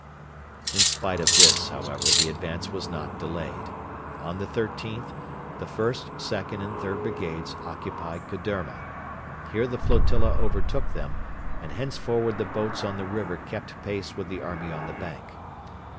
In spite of this, however, the advance was not delayed. On the 13th the 1st, 2nd, and 3rd Brigades occupied Kaderma. Here the flotilla overtook them, and henceforward the boats on the river kept pace with the army on the bank.